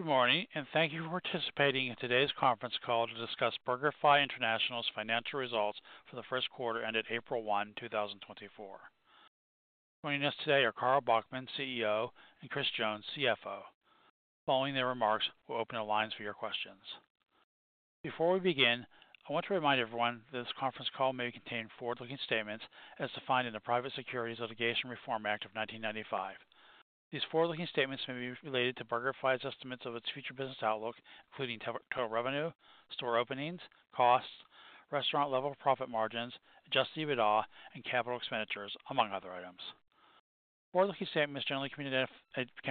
Good morning, and thank you for participating in today's conference call to discuss BurgerFi International's financial results for the first quarter ended April 1, 2024. Joining us today are Carl Bachmann, CEO; and Chris Jones, CFO. Following their remarks, we'll open the lines for your questions. Before we begin, I want to remind everyone that this conference call may contain forward-looking statements as defined in the Private Securities Litigation Reform Act of 1995. These forward-looking statements may be related to BurgerFi's estimates of its future business outlook, including total revenue, store openings, costs, restaurant-level profit margins, adjusted EBITDA, and capital expenditures, among other items. Forward-looking statements generally can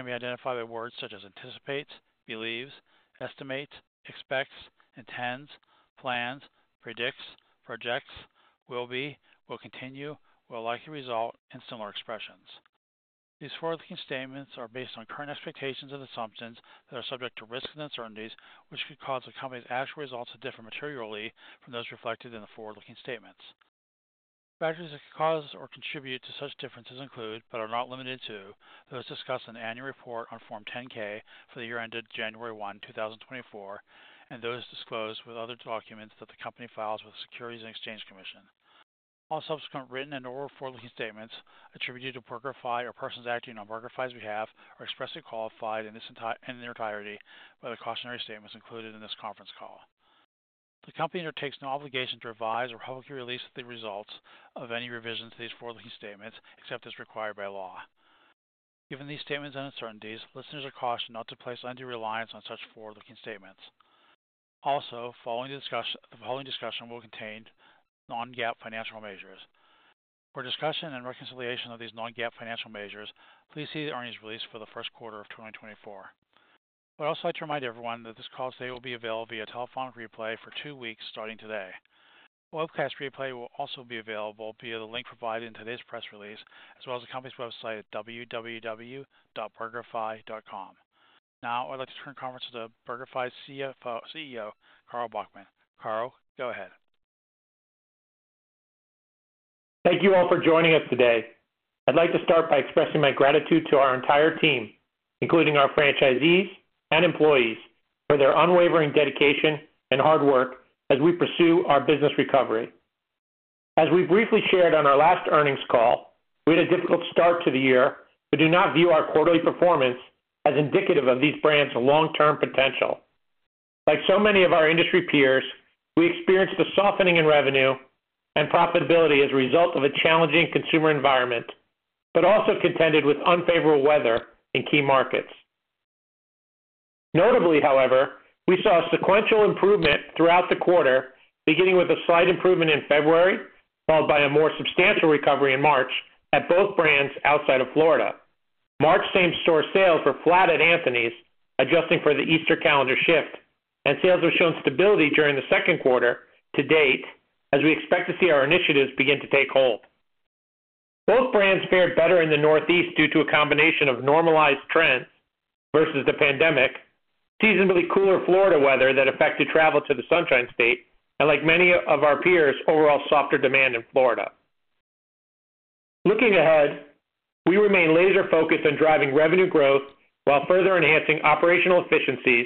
be identified by words such as anticipates, believes, estimates, expects, intends, plans, predicts, projects, will be, will continue, will likely result, and similar expressions. These forward-looking statements are based on current expectations and assumptions that are subject to risk and uncertainties, which could cause a company's actual results to differ materially from those reflected in the forward-looking statements. Factors that could cause or contribute to such differences include, but are not limited to, those discussed in the annual report on Form 10-K for the year ended January 1, 2024, and those disclosed with other documents that the company files with the Securities and Exchange Commission. All subsequent written and/or forward-looking statements attributed to BurgerFi or persons acting on BurgerFi's behalf are expressly qualified in their entirety by the cautionary statements included in this conference call. The company undertakes no obligation to revise or publicly release the results of any revisions to these forward-looking statements except as required by law. Given these statements and uncertainties, listeners are cautioned not to place undue reliance on such forward-looking statements. Also, the following discussion will contain non-GAAP financial measures. For discussion and reconciliation of these non-GAAP financial measures, please see the earnings release for the first quarter of 2024. I would also like to remind everyone that this call today will be available via telephonic replay for two weeks starting today. A webcast replay will also be available via the link provided in today's press release, as well as the company's website at www.burgerfi.com. Now, I'd like to turn the conference over to BurgerFi's CEO, Carl Bachmann. Carl, go ahead. Thank you all for joining us today. I'd like to start by expressing my gratitude to our entire team, including our franchisees and employees, for their unwavering dedication and hard work as we pursue our business recovery. As we briefly shared on our last earnings call, we had a difficult start to the year, but do not view our quarterly performance as indicative of these brands' long-term potential. Like so many of our industry peers, we experienced a softening in revenue and profitability as a result of a challenging consumer environment, but also contended with unfavorable weather in key markets. Notably, however, we saw sequential improvement throughout the quarter, beginning with a slight improvement in February followed by a more substantial recovery in March at both brands outside of Florida. March same-store sales were flat at Anthony's, adjusting for the Easter calendar shift, and sales have shown stability during the second quarter to date as we expect to see our initiatives begin to take hold. Both brands fared better in the Northeast due to a combination of normalized trends versus the pandemic, seasonably cooler Florida weather that affected travel to the Sunshine State, and, like many of our peers, overall softer demand in Florida. Looking ahead, we remain laser-focused on driving revenue growth while further enhancing operational efficiencies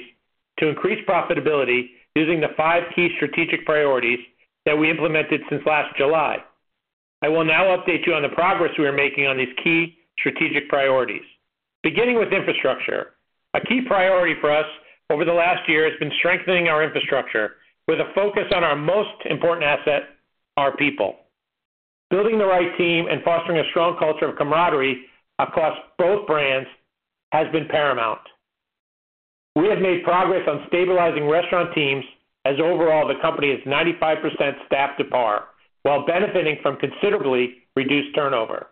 to increase profitability using the five key strategic priorities that we implemented since last July. I will now update you on the progress we are making on these key strategic priorities. Beginning with infrastructure, a key priority for us over the last year has been strengthening our infrastructure with a focus on our most important asset, our people. Building the right team and fostering a strong culture of camaraderie across both brands has been paramount. We have made progress on stabilizing restaurant teams as overall the company is 95% staffed to par while benefiting from considerably reduced turnover.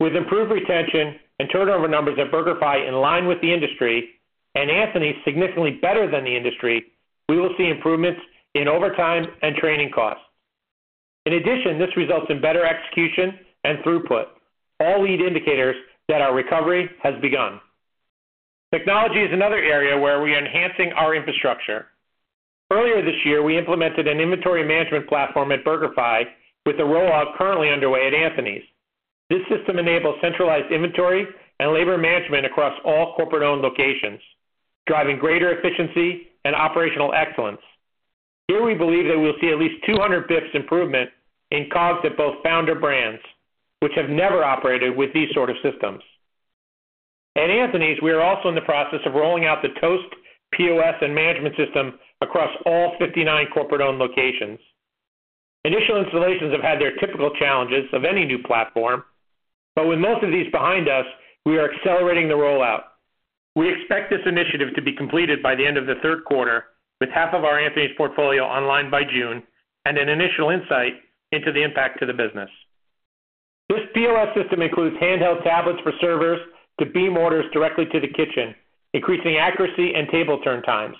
With improved retention and turnover numbers at BurgerFi in line with the industry and Anthony's significantly better than the industry, we will see improvements in overtime and training costs. In addition, this results in better execution and throughput, all lead indicators that our recovery has begun. Technology is another area where we are enhancing our infrastructure. Earlier this year, we implemented an inventory management platform at BurgerFi with a rollout currently underway at Anthony's. This system enables centralized inventory and labor management across all corporate-owned locations, driving greater efficiency and operational excellence. Here, we believe that we'll see at least 200 basis points improvement in COGS at both founder brands, which have never operated with these sort of systems. At Anthony's, we are also in the process of rolling out the Toast POS and management system across all 59 corporate-owned locations. Initial installations have had their typical challenges of any new platform, but with most of these behind us, we are accelerating the rollout. We expect this initiative to be completed by the end of the third quarter, with half of our Anthony's portfolio online by June and an initial insight into the impact to the business. This POS system includes handheld tablets for servers to beam orders directly to the kitchen, increasing accuracy and table turn times.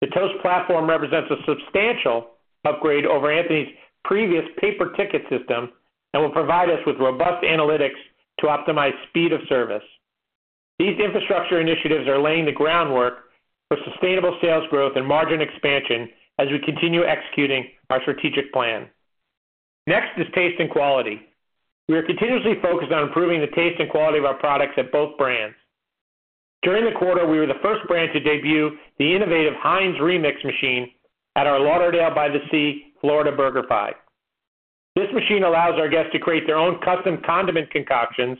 The Toast platform represents a substantial upgrade over Anthony's previous paper ticket system and will provide us with robust analytics to optimize speed of service. These infrastructure initiatives are laying the groundwork for sustainable sales growth and margin expansion as we continue executing our strategic plan. Next is taste and quality. We are continuously focused on improving the taste and quality of our products at both brands. During the quarter, we were the first brand to debut the innovative Heinz Remix machine at our Lauderdale-by-the-Sea, Florida, BurgerFi. This machine allows our guests to create their own custom condiment concoctions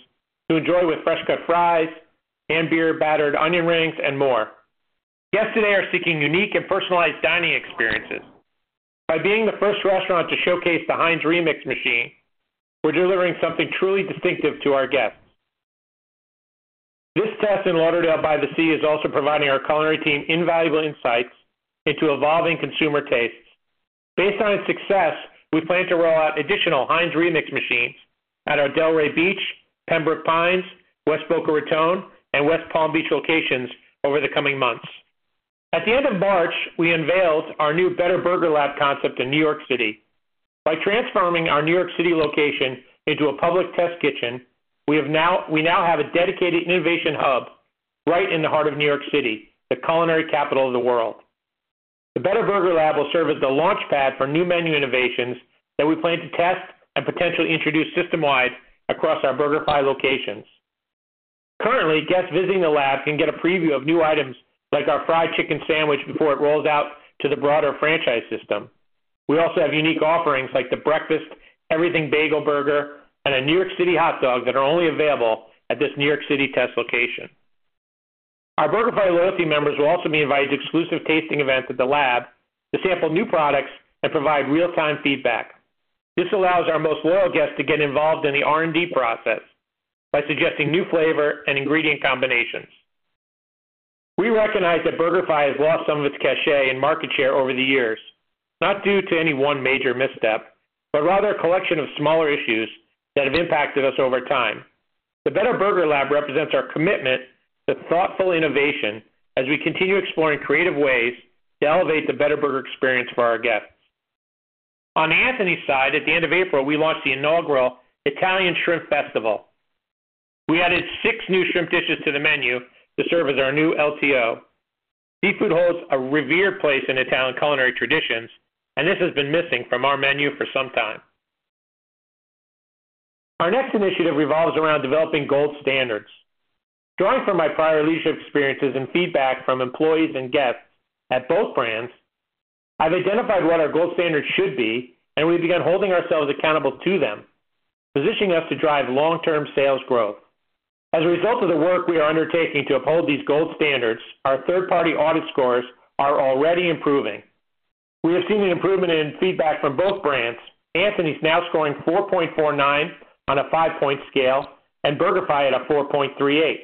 to enjoy with fresh-cut fries, hand-battered onion rings, and more. Guests today are seeking unique and personalized dining experiences. By being the first restaurant to showcase the Heinz Remix machine, we're delivering something truly distinctive to our guests. This test in Lauderdale-by-the-Sea is also providing our culinary team invaluable insights into evolving consumer tastes. Based on its success, we plan to roll out additional Heinz Remix machines at our Delray Beach, Pembroke Pines, West Boca Raton, and West Palm Beach locations over the coming months. At the end of March, we unveiled our new Better Burger Lab concept in New York City. By transforming our New York City location into a public test kitchen, we now have a dedicated innovation hub right in the heart of New York City, the culinary capital of the world. The Better Burger Lab will serve as the launchpad for new menu innovations that we plan to test and potentially introduce system-wide across our BurgerFi locations. Currently, guests visiting the lab can get a preview of new items like our fried chicken sandwich before it rolls out to the broader franchise system. We also have unique offerings like the Breakfast Everything Bagel Burger and a New York City Hot Dog that are only available at this New York City test location. Our BurgerFi loyalty members will also be invited to exclusive tasting events at the lab to sample new products and provide real-time feedback. This allows our most loyal guests to get involved in the R&D process by suggesting new flavor and ingredient combinations. We recognize that BurgerFi has lost some of its cachet and market share over the years, not due to any one major misstep, but rather a collection of smaller issues that have impacted us over time. The Better Burger Lab represents our commitment to thoughtful innovation as we continue exploring creative ways to elevate the Better Burger experience for our guests. On the Anthony's side, at the end of April, we launched the inaugural Italian Shrimp Festival. We added six new shrimp dishes to the menu to serve as our new LTO. Seafood holds a revered place in Italian culinary traditions, and this has been missing from our menu for some time. Our next initiative revolves around developing gold standards. Drawing from my prior leadership experiences and feedback from employees and guests at both brands, I've identified what our gold standards should be, and we've begun holding ourselves accountable to them, positioning us to drive long-term sales growth. As a result of the work we are undertaking to uphold these gold standards, our third-party audit scores are already improving. We have seen an improvement in feedback from both brands. Anthony's now scoring 4.49 on a five-point scale and BurgerFi at a 4.38.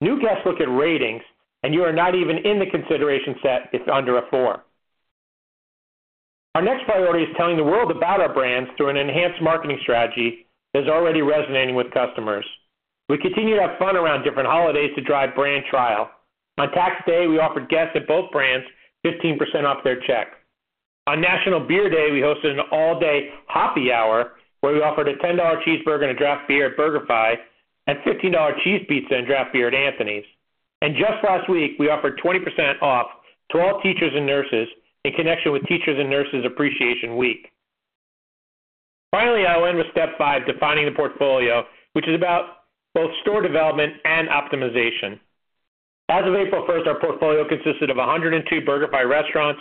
New guests look at ratings, and you are not even in the consideration set if under a four. Our next priority is telling the world about our brands through an enhanced marketing strategy that is already resonating with customers. We continue to have fun around different holidays to drive brand trial. On Tax Day, we offered guests at both brands 15% off their check. On National Beer Day, we hosted an all-day Hoppy Hour where we offered a $10 cheeseburger and a draft beer at BurgerFi and $15 cheese pizza and draft beer at Anthony's. And just last week, we offered 20% off to all teachers and nurses in connection with Teachers and Nurses Appreciation Week. Finally, I will end with step five, defining the portfolio, which is about both store development and optimization. As of April 1st, our portfolio consisted of 102 BurgerFi restaurants,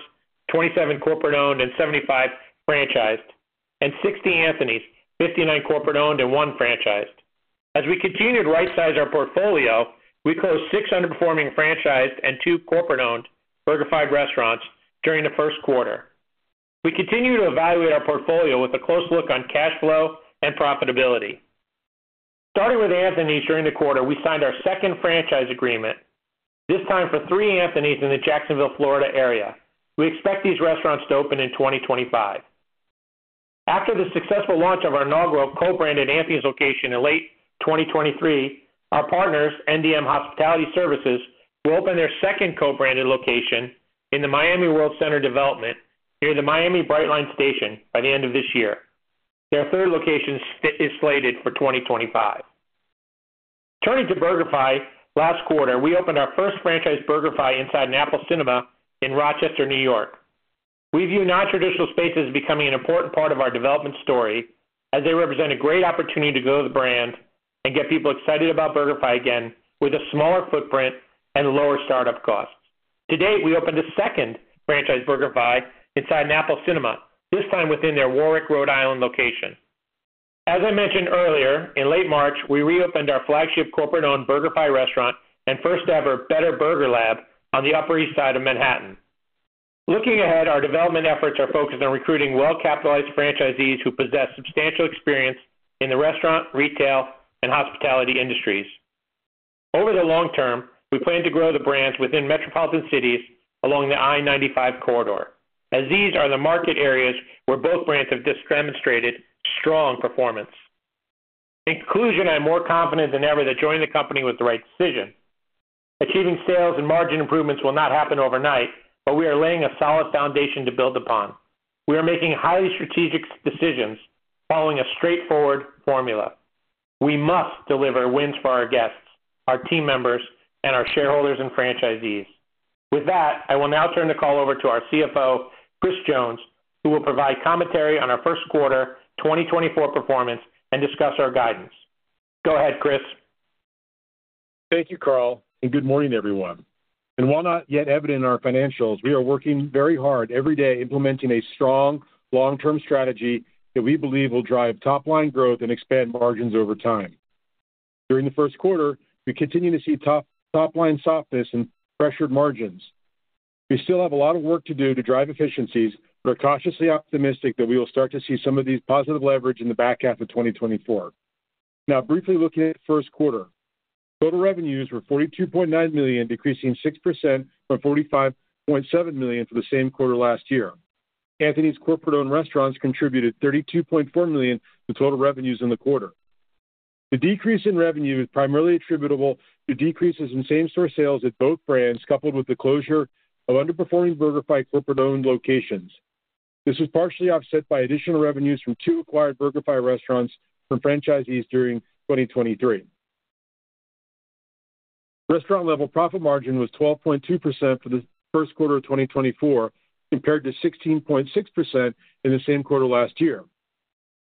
27 corporate-owned and 75 franchised, and 60 Anthony's, 59 corporate-owned and 1 franchised. As we continued to right-size our portfolio, we closed 6 underperforming franchised and 2 corporate-owned BurgerFi restaurants during the first quarter. We continue to evaluate our portfolio with a close look on cash flow and profitability. Starting with Anthony's during the quarter, we signed our second franchise agreement, this time for 3 Anthony's in the Jacksonville, Florida area. We expect these restaurants to open in 2025. After the successful launch of our inaugural co-branded Anthony's location in late 2023, our partners, NDM Hospitality Services, will open their second co-branded location in the Miami Worldcenter development near the Miami Brightline Station by the end of this year. Their third location is slated for 2025. Turning to BurgerFi, last quarter, we opened our first franchised BurgerFi inside an Apple Cinemas in Rochester, New York. We view non-traditional spaces as becoming an important part of our development story as they represent a great opportunity to grow the brand and get people excited about BurgerFi again with a smaller footprint and lower startup costs. To date, we opened a second franchised BurgerFi inside an Apple Cinemas, this time within their Warwick, Rhode Island, location. As I mentioned earlier, in late March, we reopened our flagship corporate-owned BurgerFi restaurant and first-ever Better Burger Lab on the Upper East Side of Manhattan. Looking ahead, our development efforts are focused on recruiting well-capitalized franchisees who possess substantial experience in the restaurant, retail, and hospitality industries. Over the long term, we plan to grow the brands within metropolitan cities along the I-95 corridor, as these are the market areas where both brands have demonstrated strong performance. In conclusion, I am more confident than ever that joining the company was the right decision. Achieving sales and margin improvements will not happen overnight, but we are laying a solid foundation to build upon. We are making highly strategic decisions following a straightforward formula. We must deliver wins for our guests, our team members, and our shareholders and franchisees. With that, I will now turn the call over to our CFO, Chris Jones, who will provide commentary on our first quarter 2024 performance and discuss our guidance. Go ahead, Chris. Thank you, Carl, and good morning, everyone. While not yet evident in our financials, we are working very hard every day implementing a strong long-term strategy that we believe will drive top-line growth and expand margins over time. During the first quarter, we continue to see top-line softness and pressured margins. We still have a lot of work to do to drive efficiencies, but are cautiously optimistic that we will start to see some of these positive leverage in the back half of 2024. Now, briefly looking at the first quarter, total revenues were $42.9 million, decreasing 6% from $45.7 million for the same quarter last year. Anthony's corporate-owned restaurants contributed $32.4 million to total revenues in the quarter. The decrease in revenue is primarily attributable to decreases in same-store sales at both brands coupled with the closure of underperforming BurgerFi corporate-owned locations. This was partially offset by additional revenues from two acquired BurgerFi restaurants from franchisees during 2023. Restaurant-level profit margin was 12.2% for the first quarter of 2024 compared to 16.6% in the same quarter last year.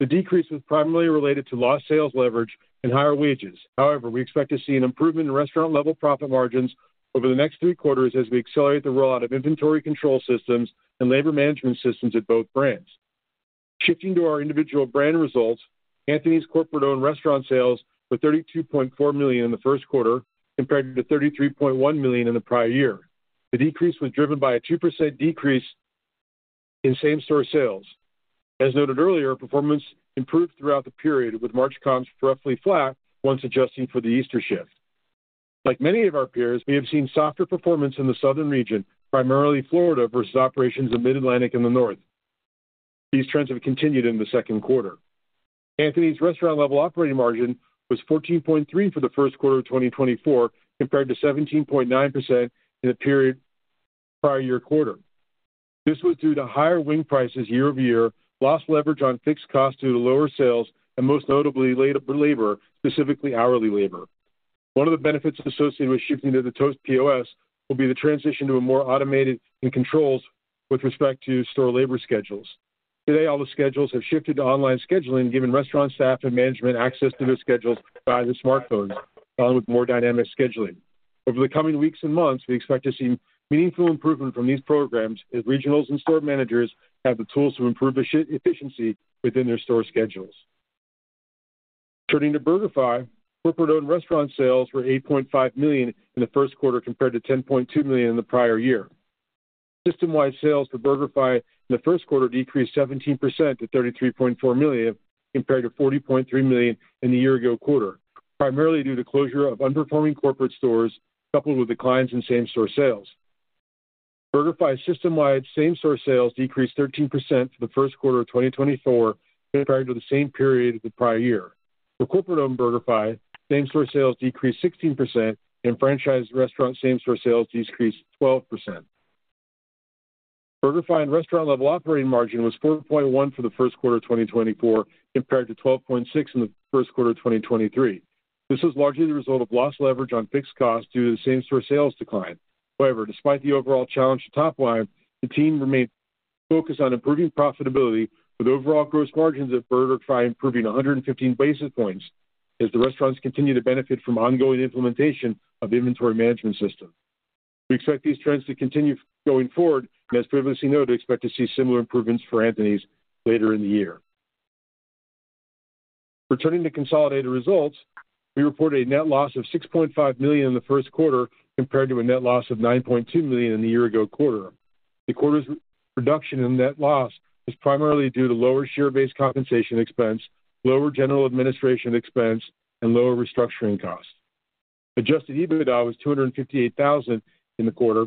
The decrease was primarily related to lost sales leverage and higher wages. However, we expect to see an improvement in restaurant-level profit margins over the next three quarters as we accelerate the rollout of inventory control systems and labor management systems at both brands. Shifting to our individual brand results, Anthony's corporate-owned restaurant sales were $32.4 million in the first quarter compared to $33.1 million in the prior year. The decrease was driven by a 2% decrease in same-store sales. As noted earlier, performance improved throughout the period, with March comps roughly flat once adjusting for the Easter shift. Like many of our peers, we have seen softer performance in the southern region, primarily Florida versus operations in Mid-Atlantic and the north. These trends have continued in the second quarter. Anthony's restaurant-level operating margin was 14.3% for the first quarter of 2024 compared to 17.9% in the prior year quarter. This was due to higher wing prices year-over-year, lost leverage on fixed costs due to lower sales, and most notably, labor, specifically hourly labor. One of the benefits associated with shifting to the Toast POS will be the transition to a more automated and controlled approach with respect to store labor schedules. Today, all the schedules have shifted to online scheduling, giving restaurant staff and management access to their schedules via their smartphones, along with more dynamic scheduling. Over the coming weeks and months, we expect to see meaningful improvement from these programs as regionals and store managers have the tools to improve efficiency within their store schedules. Turning to BurgerFi, corporate-owned restaurant sales were $8.5 million in the first quarter compared to $10.2 million in the prior year. System-wide sales for BurgerFi in the first quarter decreased 17% to $33.4 million compared to $40.3 million in the year-ago quarter, primarily due to closure of underperforming corporate stores coupled with declines in same-store sales. BurgerFi system-wide same-store sales decreased 13% for the first quarter of 2024 compared to the same period of the prior year. For corporate-owned BurgerFi, same-store sales decreased 16%, and franchised restaurant same-store sales decreased 12%. BurgerFi's restaurant-level operating margin was 4.1% for the first quarter of 2024 compared to 12.6% in the first quarter of 2023. This was largely the result of lost leverage on fixed costs due to the same-store sales decline. However, despite the overall challenge to top-line, the team remained focused on improving profitability, with overall gross margins at BurgerFi improving 115 basis points as the restaurants continue to benefit from ongoing implementation of the inventory management system. We expect these trends to continue going forward, and as previously noted, expect to see similar improvements for Anthony's later in the year. Returning to consolidated results, we report a net loss of $6.5 million in the first quarter compared to a net loss of $9.2 million in the year-ago quarter. The quarter's reduction in net loss is primarily due to lower share-based compensation expense, lower general administration expense, and lower restructuring costs. Adjusted EBITDA was $258,000 in the quarter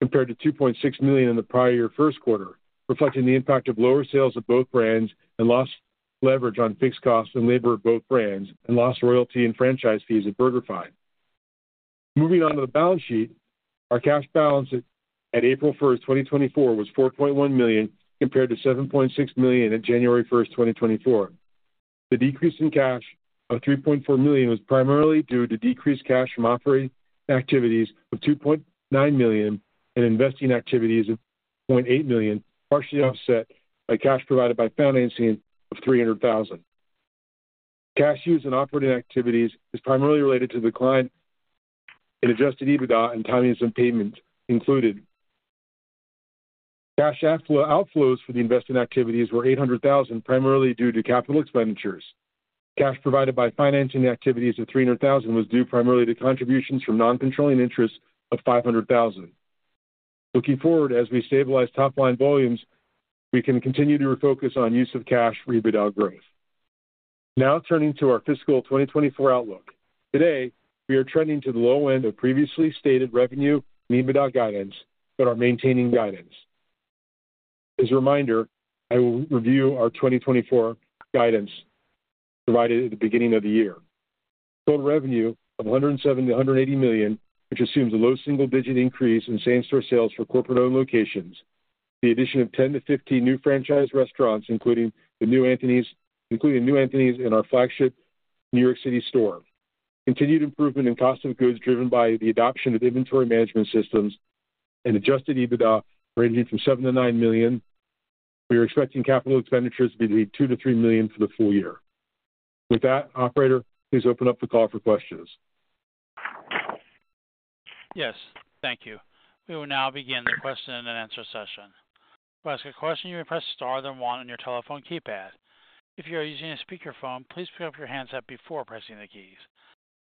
compared to $2.6 million in the prior year first quarter, reflecting the impact of lower sales at both brands and lost leverage on fixed costs and labor at both brands, and lost royalty and franchise fees at BurgerFi. Moving on to the balance sheet, our cash balance at April 1st, 2024, was $4.1 million compared to $7.6 million at January 1st, 2024. The decrease in cash of $3.4 million was primarily due to decreased cash from operating activities of $2.9 million and investing activities of $0.8 million, partially offset by cash provided by financing of $300,000. Cash use in operating activities is primarily related to the decline in adjusted EBITDA and timings of payments included. Cash outflows for the investing activities were $800,000, primarily due to capital expenditures. Cash provided by financing activities of $300,000 was due primarily to contributions from non-controlling interests of $500,000. Looking forward, as we stabilize top-line volumes, we can continue to refocus on use of cash rather than growth. Now, turning to our fiscal 2024 outlook. Today, we are trending to the low end of previously stated revenue and EBITDA guidance, but are maintaining guidance. As a reminder, I will review our 2024 guidance provided at the beginning of the year. Total revenue of $170 million-$180 million, which assumes a low single-digit increase in same-store sales for corporate-owned locations, the addition of 10-15 new franchised restaurants, including the new Anthony's in our flagship New York City store, continued improvement in cost of goods driven by the adoption of inventory management systems, and adjusted EBITDA ranging from $7 million-$9 million. We are expecting capital expenditures to be $2 million-$3 million for the full year. With that, operator, please open up the call for questions. Yes. Thank you. We will now begin the question and answer session. If I ask a question, you may press star then one on your telephone keypad. If you are using a speakerphone, please pick up your handset before pressing the keys.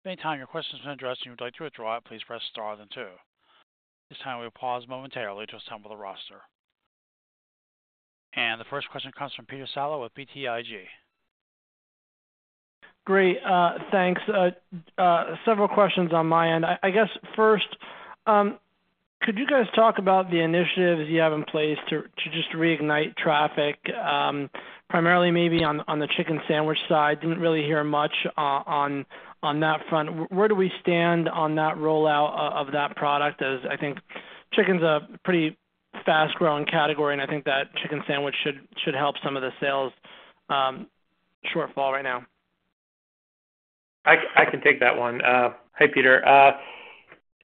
At any time your question has been addressed and you would like to withdraw it, please press star then two. This time, we will pause momentarily to assemble the roster. The first question comes from Peter Saleh with BTIG. Great. Thanks. Several questions on my end. I guess first, could you guys talk about the initiatives you have in place to just reignite traffic, primarily maybe on the chicken sandwich side? Didn't really hear much on that front. Where do we stand on that rollout of that product? I think chicken's a pretty fast-growing category, and I think that chicken sandwich should help some of the sales shortfall right now. I can take that one. Hi, Peter.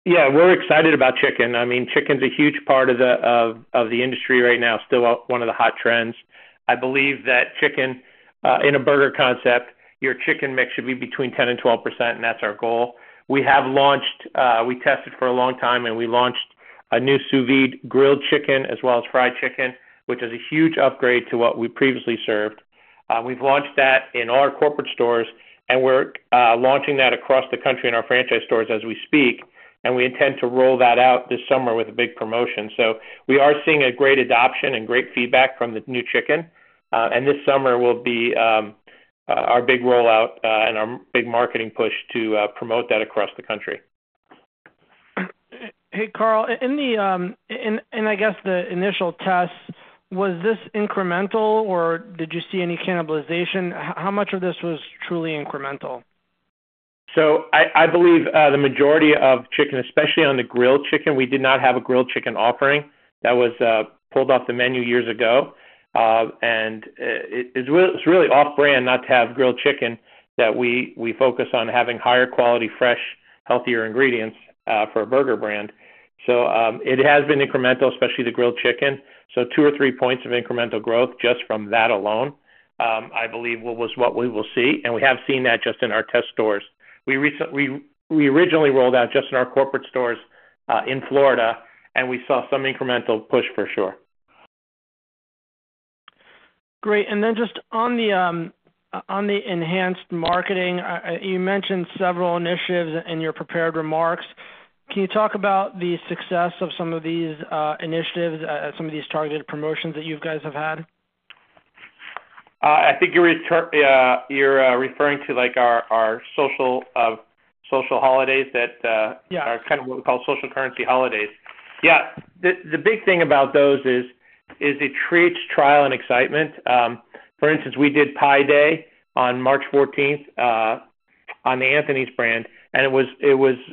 Yeah, we're excited about chicken. I mean, chicken's a huge part of the industry right now, still one of the hot trends. I believe that chicken, in a burger concept, your chicken mix should be between 10% and 12%, and that's our goal. We tested for a long time, and we launched a new sous vide grilled chicken as well as fried chicken, which is a huge upgrade to what we previously served. We've launched that in our corporate stores, and we're launching that across the country in our franchise stores as we speak. We intend to roll that out this summer with a big promotion. We are seeing a great adoption and great feedback from the new chicken. This summer will be our big rollout and our big marketing push to promote that across the country. Hey, Carl. I guess the initial test, was this incremental, or did you see any cannibalization? How much of this was truly incremental? So I believe the majority of chicken, especially on the grilled chicken, we did not have a grilled chicken offering. That was pulled off the menu years ago. And it's really off-brand not to have grilled chicken that we focus on having higher-quality, fresh, healthier ingredients for a burger brand. So it has been incremental, especially the grilled chicken. So 2 or 3 points of incremental growth just from that alone, I believe, was what we will see. And we have seen that just in our test stores. We originally rolled out just in our corporate stores in Florida, and we saw some incremental push for sure. Great. And then just on the enhanced marketing, you mentioned several initiatives in your prepared remarks. Can you talk about the success of some of these initiatives, some of these targeted promotions that you guys have had? I think you're referring to our social holidays that are kind of what we call social currency holidays. Yeah. The big thing about those is it creates trial and excitement. For instance, we did Pi Day on March 14th on the Anthony's brand, and it was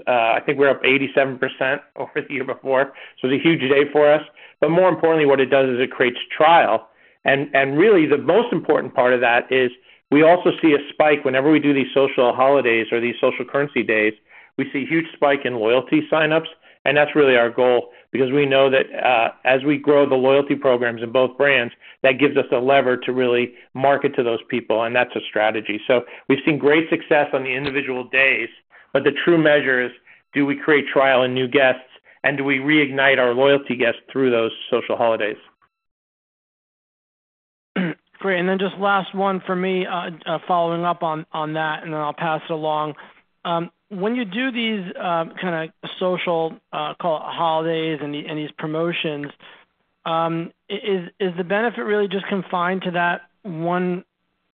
I think we were up 87% over the year before. So it was a huge day for us. But more importantly, what it does is it creates trial. And really, the most important part of that is we also see a spike whenever we do these social holidays or these social currency days. We see a huge spike in loyalty signups, and that's really our goal because we know that as we grow the loyalty programs in both brands, that gives us a lever to really market to those people, and that's a strategy. We've seen great success on the individual days, but the true measure is, do we create trial and new guests, and do we reignite our loyalty guests through those social holidays? Great. And then just last one for me, following up on that, and then I'll pass it along. When you do these kind of social holidays and these promotions, is the benefit really just confined to that one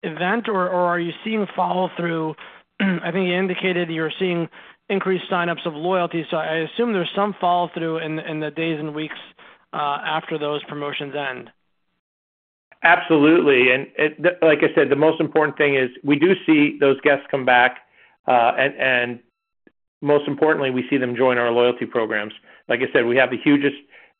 event, or are you seeing follow-through? I think you indicated you're seeing increased signups of loyalty, so I assume there's some follow-through in the days and weeks after those promotions end. Absolutely. And like I said, the most important thing is we do see those guests come back, and most importantly, we see them join our loyalty programs. Like I said, we have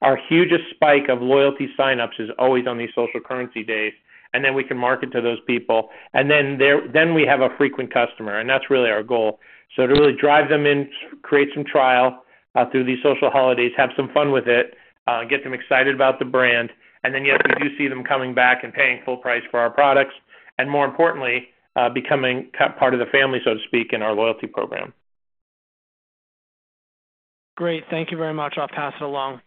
our hugest spike of loyalty signups is always on these social currency days, and then we can market to those people. And then we have a frequent customer, and that's really our goal. So to really drive them in, create some trial through these social holidays, have some fun with it, get them excited about the brand, and then yes, we do see them coming back and paying full price for our products, and more importantly, becoming part of the family, so to speak, in our loyalty program. Great. Thank you very much. I'll pass it along.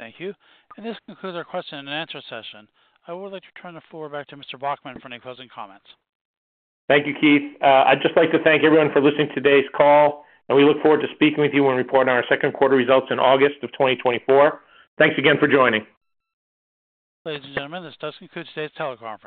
Thank you. This concludes our question and answer session. I would like to turn the floor back to Mr. Bachmann for any closing comments. Thank you, Keith. I'd just like to thank everyone for listening to today's call, and we look forward to speaking with you when reporting our second quarter results in August of 2024. Thanks again for joining. Ladies and gentlemen, this does conclude today's telecom.